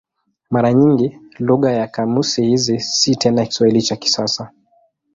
Mara nyingi lugha ya kamusi hizi si tena Kiswahili cha kisasa.